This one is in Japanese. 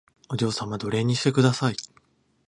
お嬢様奴隷にしてください